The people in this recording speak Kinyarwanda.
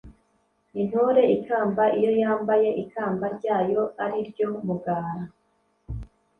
Intore ikamba iyo yambaye ikamba ryayo ari ryo mugara.